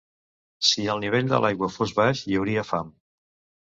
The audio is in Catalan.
Si el nivell de l'aigua fos baix, hi hauria fam.